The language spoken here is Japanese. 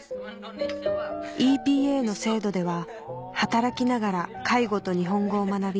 ＥＰＡの制度では働きながら介護と日本語を学び